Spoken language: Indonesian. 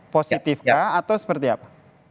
positif kah atau seperti apa